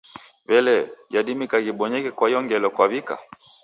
W'elee, yadimika ghibonyeke kwa iyo ngelo kwaw'ika?